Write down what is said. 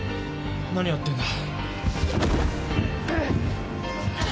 何やってんだ？